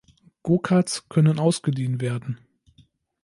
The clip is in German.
Go-Karts können ausgeliehen werden.